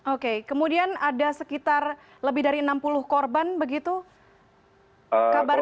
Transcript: oke kemudian ada sekitar lebih dari enam puluh korban begitu kabarnya